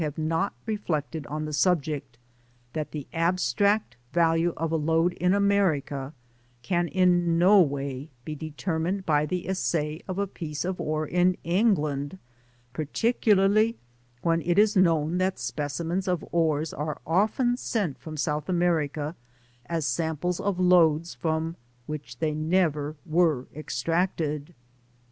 T 2 Digitized byGoogk ^6 GENERAL OBSERVATIONS ON reflected on the subject, that the abstract value of a lode in America can in no way be determined by the assay of a piece of ore in England^ particularly when it is known that specimens of ores are often sent from South America as samples of lodes from which they never were extracted.